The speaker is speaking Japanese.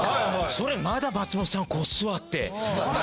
それまだ松本さんはこう座って。